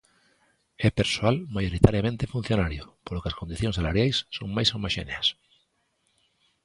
É persoal maioritariamente funcionario, polo que as condicións salariais son máis homoxéneas.